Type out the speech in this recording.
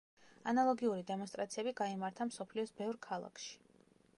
ანალოგიური დემონსტრაციები გაიმართა მსოფლიოს ბევრ ქალაქში.